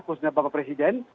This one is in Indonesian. khususnya bapak presiden